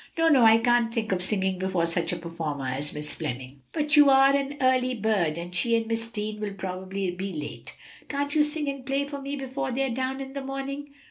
"No, no! I can't think of singing before such a performer as Miss Fleming." "But you are an early bird, and she and Miss Deane will probably be late. Can't you sing and play for me before they are down in the morning?"